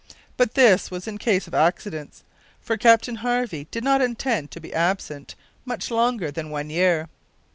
But this was in case of accidents, for Captain Harvey did not intend to be absent much longer than one year.